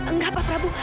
nggak pak prabu